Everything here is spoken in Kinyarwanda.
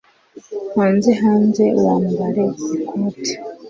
Hanze hanze. Wambare ikote.